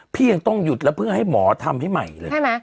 พี่ยังต้องหยุดแล้วเพื่อให้หมอทำให้ใหม่เลยใช่ไหม